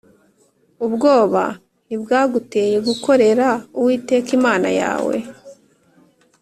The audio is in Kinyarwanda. Ubwoba ntibwaguteye gukorera Uwiteka Imana yawe